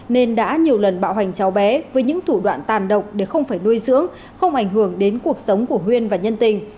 nên đã nhiều lần bạo hành cháu bé với những thủ đoạn tàn độc để không phải nuôi dưỡng không ảnh hưởng đến cuộc sống của huyên và nhân tình